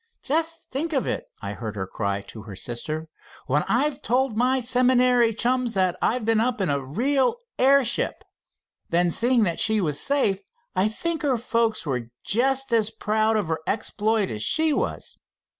'Just think of it!' I heard her cry to her sister, 'when I've told my seminary chums that I've been up in a real airship!' Then, seeing that she was safe, I think her folks were just as proud of her exploit as she was.